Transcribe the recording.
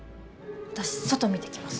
私外見てきます。